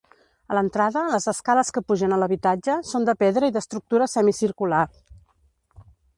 A l'entrada, les escales que pugen a l'habitatge, són de pedra i d'estructura semicircular.